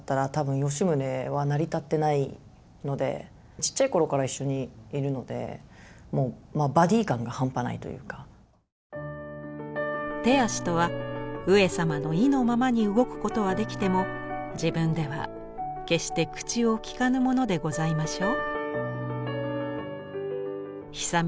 ちっちゃい頃から一緒にいるので「手足とは上様の意のままに動く事はできても自分では決して口をきかぬものでございましょう？」。